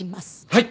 はい！